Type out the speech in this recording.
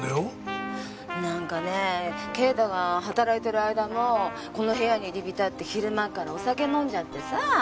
なんかね啓太が働いてる間もこの部屋に入り浸って昼間っからお酒飲んじゃってさ。